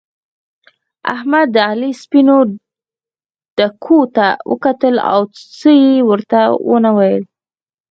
احمد د علي سپينو ډکو ته وکتل او څه يې ورته و نه ويل.